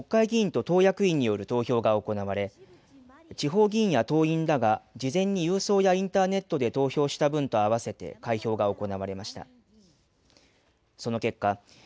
今日、国会議員と党役員による投票が行われ地方議員や党員らが事前に郵送やインターネットで投票した分と合わせて開票が行われました。